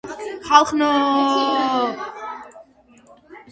ხალხნოოოოოოოოოოოოოოო